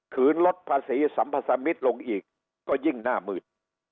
ลดภาษีสัมพสมิตรลงอีกก็ยิ่งหน้ามืด